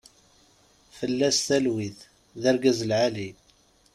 Fella-s talwit, d argaz lɛali.